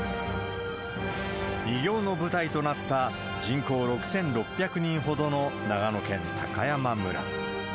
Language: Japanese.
偉業の舞台となった人口６６００人ほどの、長野県高山村。